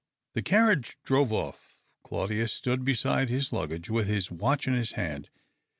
The carriage drove off. Claudius stood beside his luggage with his watch in his hand.